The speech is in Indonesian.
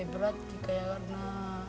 terat kak karena